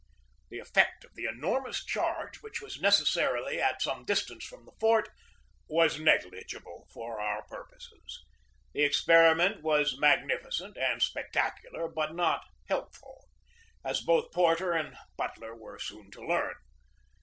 The effect of the enormous charge, which was necessarily at some distance from the fort, was neg ligible for our purposes. This experiment was mag nificent and spectacular but not helpful, as both Porter and Butler were soon to learn.